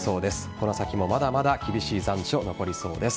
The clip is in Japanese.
この先もまだまだ厳しい残暑が残りそうです。